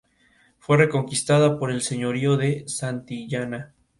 Fue reconquistada por el Señorío de Santillana.